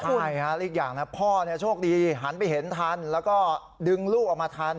ใช่อีกอย่างนะพ่อโชคดีหันไปเห็นทันแล้วก็ดึงลูกออกมาทัน